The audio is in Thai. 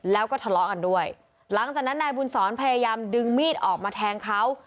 แล้วก็ทะเลาะกันด้วยหลังจากนั้นนายบุญศรพยายามดึงมีดออกมาแทงเขา